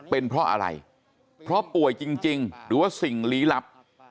เป็นเพราะอะไรเพราะป่วยจริงหรือว่าสิ่งลี้ลับ